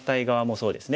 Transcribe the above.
そうですよね。